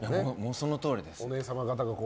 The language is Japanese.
そのとおりです。